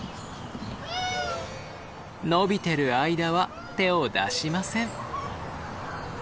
伸びてる間は手を出しません。